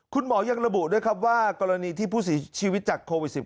คุณหมอยังระบุด้วยครับว่ากรณีที่ผู้เสียชีวิตจากโควิด๑๙